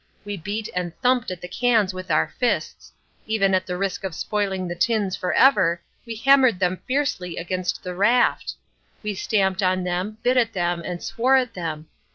We beat and thumped at the cans with our fists. Even at the risk of spoiling the tins for ever we hammered them fiercely against the raft. We stamped on them, bit at them and swore at them.